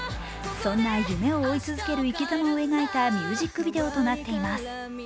そんな夢を追い続ける生きざまを描いたミュージックビデオとなっています。